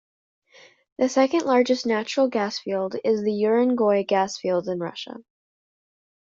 The second largest natural gas field is the Urengoy gas field in Russia.